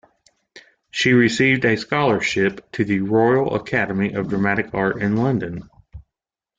She received a scholarship to the Royal Academy of Dramatic Art in London.